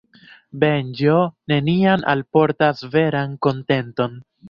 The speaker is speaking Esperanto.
Venĝo neniam alportas veran kontenton.